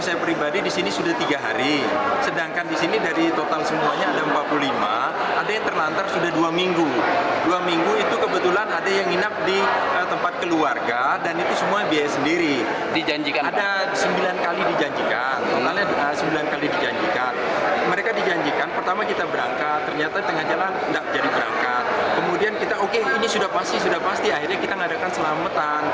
ini sudah pasti sudah pasti akhirnya kita mengadakan selamatan